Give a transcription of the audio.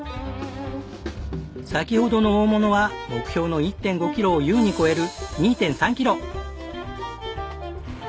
先ほどの大物は目標の１．５キロを優に超える。